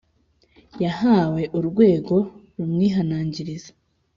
yahawe Urwego rumwihanangiriza